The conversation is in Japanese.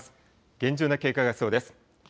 厳重な警戒が必要です。